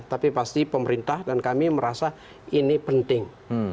tapi pasti pemerintah dan kami merasa ini penting